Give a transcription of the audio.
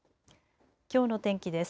きょうの天気です。